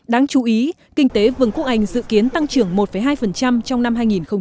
đáng chú ý kinh tế vương quốc anh dự kiến tăng trưởng một hai trong năm hai nghìn hai mươi